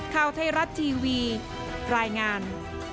ข่าวไทยรัฐทีวีรายงาน